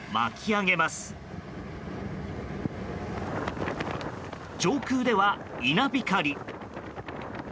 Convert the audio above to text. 上空では稲光。